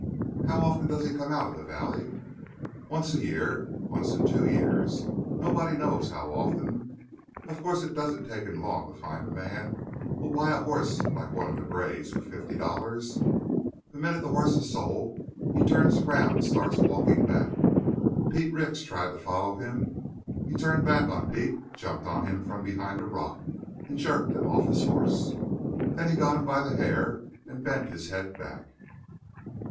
"How often does he come out of the valley?" "Once a year once in two years nobody knows how often. Of course it doesn't take him long to find a man who'll buy a horse like one of the grays for fifty dollars. The minute the horse is sold he turns around and starts walking back. Pete Ricks tried to follow him. He turned back on Pete, jumped on him from behind a rock, and jerked him off his horse. Then he got him by the hair and bent his head back.